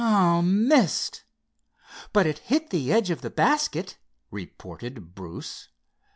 "Ah—missed! but it hit the edge of the basket," reported Bruce.